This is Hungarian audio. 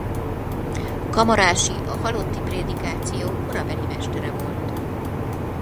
Kamarási a halotti prédikáció korabeli mestere volt.